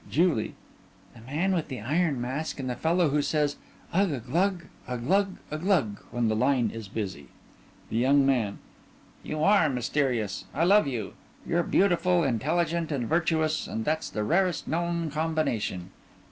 JULIE: The Man with the Iron Mask and the fella who says "ug uh glug uh glug uh glug" when the line is busy. THE YOUNG MAN: You are mysterious. I love you. You're beautiful, intelligent, and virtuous, and that's the rarest known combination.